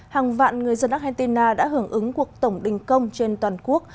hàng vạn người dân argentina đã hưởng ứng cuộc tổng đình công trên toàn quốc